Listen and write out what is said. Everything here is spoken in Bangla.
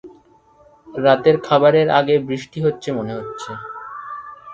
রাতের খাবারের আগে বৃষ্টি হচ্ছে মনে হচ্ছে।